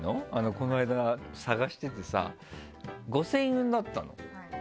この間探しててさ５０００円だったの。